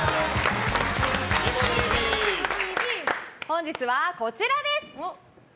本日は、こちらです！